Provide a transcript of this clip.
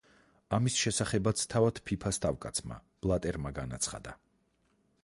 ამის შესახებაც თავად ფიფას თავკაცმა ბლატერმა განაცხადა.